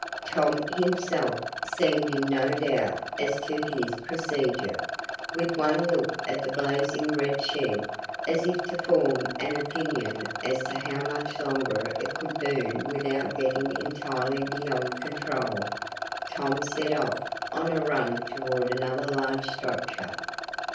Tom, himself, seemed in no doubt as to his procedure. With one look at the blazing red shed, as if to form an opinion as to how much longer it could burn without getting entirely beyond control, Tom set off on a run toward another large structure.